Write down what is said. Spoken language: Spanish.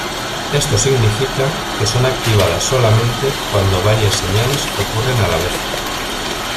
Esto significa que son activadas solamente cuando varias señales ocurren a la vez.